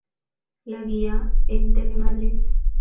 La guía", en Telemadrid.